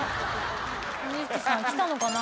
小錦さん来たのかな？